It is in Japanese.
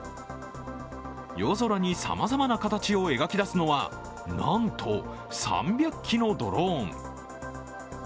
夜空にさまざまな形を描き出すのは、なんと３００機のドローン。